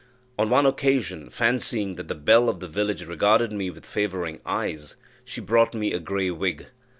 On one occasion, fancying that the belle of the village regarded me with favouring eyes, she brought me a grey wig.